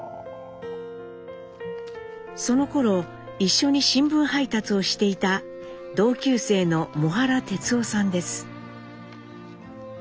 そのころ一緒に新聞配達をしていた同級生の母原哲夫さんです。